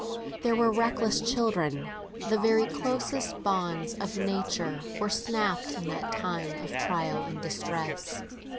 there were reckless children; the very closest bonds of nature were snapt in that time of trial and distress.